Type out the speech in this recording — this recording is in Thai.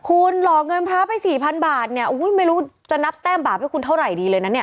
คุณหลอกเงินพระไปสี่พันบาทเนี่ยไม่รู้จะนับแต้มบาปให้คุณเท่าไหร่ดีเลยนะเนี่ย